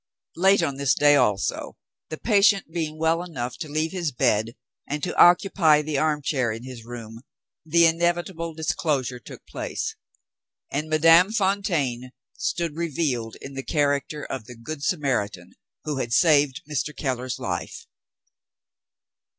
Late on this day also, the patient being well enough to leave his bed and to occupy the armchair in his room, the inevitable disclosure took place; and Madame Fontaine stood revealed in the character of the Good Samaritan who had saved Mr. Keller's life.